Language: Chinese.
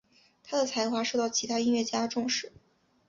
他的才华受到其他音乐家的重视。